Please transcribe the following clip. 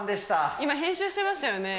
今編集してましたよね。